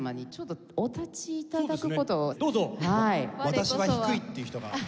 私は低いっていう人が。